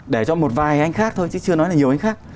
để cho một vài anh khác thôi chứ chưa nói là nhiều anh khác